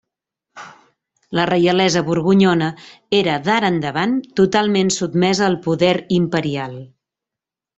La reialesa borgonyona era d'ara endavant totalment sotmesa al poder imperial.